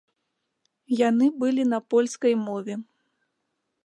Яны былі на польскай мове.